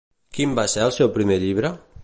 Quin va ser el seu primer llibre?